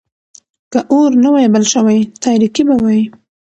که اور نه وای بل شوی، تاريکي به وای.